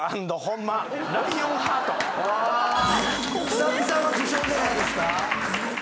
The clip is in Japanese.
久々の受賞じゃないですか。